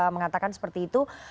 mengatakan seperti itu